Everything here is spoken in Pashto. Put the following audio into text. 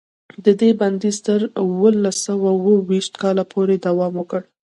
د دې بندیز تر اوولس سوه اوه ویشت کاله پورې دوام وکړ.